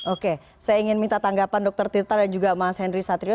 oke saya ingin minta tanggapan dr tirta dan juga mas henry satrio